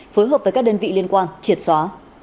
phối hợp với các đơn vị liên quan triệt xóa